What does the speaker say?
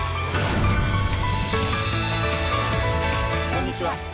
こんにちは。